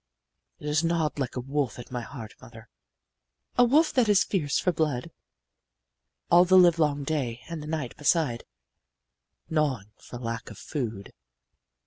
"'It has gnawed like a wolf at my heart, mother, A wolf that is fierce for blood, All the livelong day and the night, beside Gnawing for lack of food.